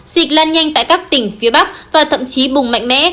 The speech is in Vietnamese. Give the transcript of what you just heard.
dịch lan nhanh tại các tỉnh phía bắc và thậm chí bùng mạnh mẽ